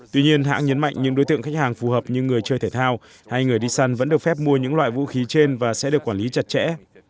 tuy nhiên hãng nhấn mạnh những đối tượng khách hàng phù hợp như người chơi thể thao hay người đi săn vẫn được phép mua những loại vũ khí trên và sẽ được quản lý chặt chẽ